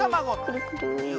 くるくる。